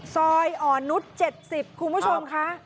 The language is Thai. ซอยอ่อนนุษย์๗๐คุณผู้ชมค่ะ